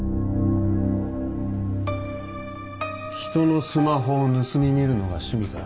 人のスマホを盗み見るのが趣味か？